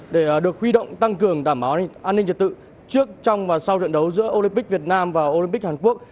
để được huy động tăng cường đảm bảo an ninh trật tự trước trong và sau trận đấu giữa olympic việt nam và olympic hàn quốc